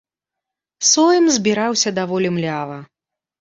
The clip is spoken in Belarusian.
Сойм збіраўся даволі млява.